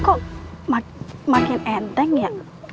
kok makin enteng ya